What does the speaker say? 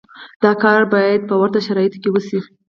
دا کار باید په ورته شرایطو کې وشي.